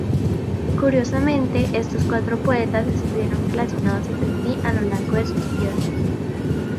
Curiosamente, estos cuatro poetas estuvieron relacionados entre sí a lo largo de sus vidas.